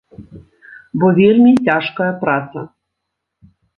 Бо вельмі цяжкая праца.